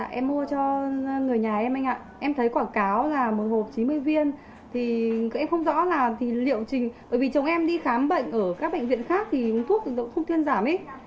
dạ em mua cho người nhà em anh ạ em thấy quảng cáo là một hộp chín mươi viên thì em không rõ là liệu trình bởi vì chồng em đi khám bệnh ở các bệnh viện khác thì uống thuốc cũng không thiên giảm ý